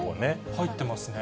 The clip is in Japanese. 入ってますね。